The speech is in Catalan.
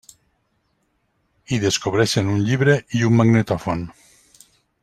Hi descobreixen un llibre i un magnetòfon.